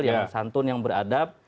yang santun yang beradab